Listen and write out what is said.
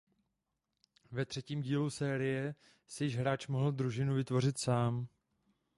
Ve třetím dílu série si již hráč mohl družinu vytvořit sám.